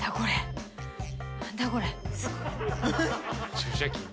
注射器？